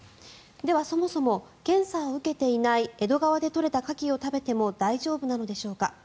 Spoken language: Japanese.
では、そもそも検査を受けていない江戸川で取れたカキを食べても大丈夫なのでしょうか。